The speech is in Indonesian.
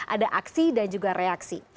ada aksi dan juga reaksi